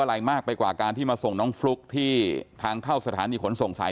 อะไรมากไปกว่าการที่มาส่งน้องฟลุ๊กที่ทางเข้าสถานีขนส่งสาย